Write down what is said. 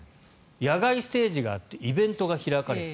野外ステージがあってイベントが開かれる。